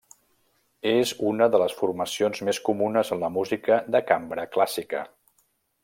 És una de les formacions més comunes en la música de cambra clàssica.